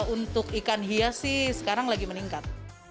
untuk ikan hias sih sekarang lagi meningkat